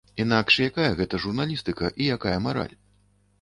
Інакш якая гэта журналістыка і якая мараль?!